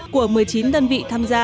của một mươi chín đơn vị